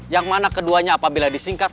yang mana keduanya apabila disingkat